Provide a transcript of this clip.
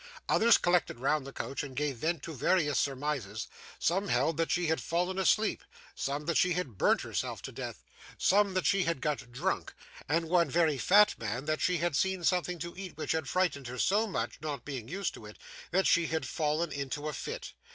Others collected round the coach, and gave vent to various surmises; some held that she had fallen asleep; some, that she had burnt herself to death; some, that she had got drunk; and one very fat man that she had seen something to eat which had frightened her so much (not being used to it) that she had fallen into a fit.